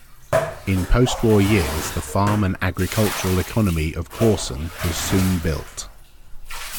In post-war years, the farm and agricultural economy of Korsun was soon rebuilt.